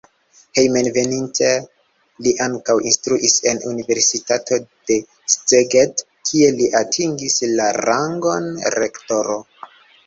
Hejmenveninta li ankaŭ instruis en universitato de Szeged, kie li atingis la rangon rektoro.